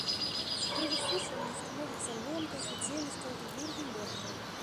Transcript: Пры высушванні становіцца ломкай, кудзелістай і вельмі лёгкай.